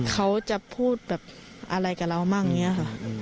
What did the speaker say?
เขาจะพูดแบบอะไรกับเรามั่งอย่างนี้ค่ะ